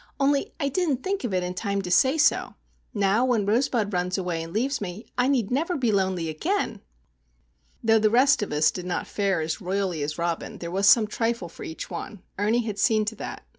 "Only I didn't think of it in time to say so. Now when Rosebud runs away and leaves me, I need never be lonely again!" Though the rest of us did not fare as royally as Robin, there was some trifle for each one;—Ernie had seen to that.